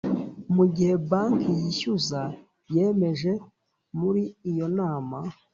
Mu gihe banki yishyuza yemeje muri iyo nama